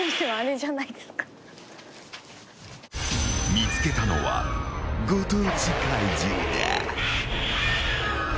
［見つけたのはご当地怪獣だ］